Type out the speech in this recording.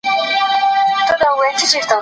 د اورګاډي پټلۍ د ترانسپورت لپاره مهمه وه.